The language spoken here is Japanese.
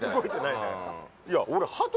いや俺。